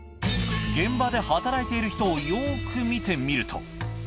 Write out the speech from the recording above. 現場で働いている人をよーく見てみると。